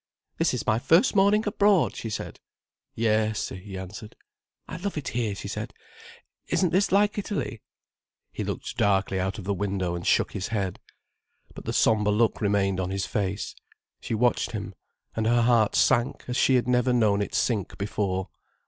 "This is my first morning abroad," she said. "Yes," he answered. "I love it here," she said. "Isn't this like Italy?" He looked darkly out of the window, and shook his head. But the sombre look remained on his face. She watched him. And her heart sank as she had never known it sink before.